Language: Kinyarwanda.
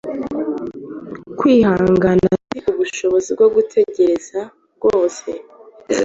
kwihangana si ubushobozi bwo gutegereza rwose,